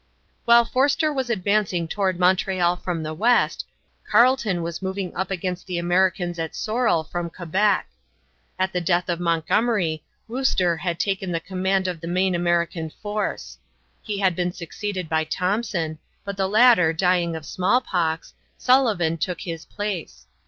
While Forster was advancing toward Montreal from the west, Carleton was moving up against the Americans at Sorrel from Quebec. At the death of Montgomery, Wooster had taken the command of the main American force. He had been succeeded by Thompson, but the latter dying of smallpox, Sullivan took his place.